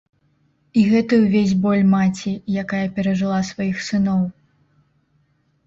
І гэты ўвесь боль маці, якая перажыла сваіх сыноў.